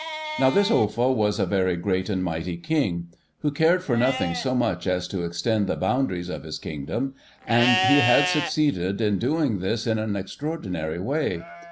Now, this Offa was a very great and mighty King, who cared for nothing so much as to extend the boundaries of his Kingdom, and he had succeeded in doing this in an extraordinary way.